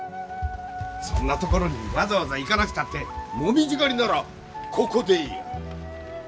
そんな所にわざわざ行かなくたって紅葉狩りならここでいいや。